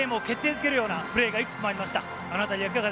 づけるプレーがいくつもありました。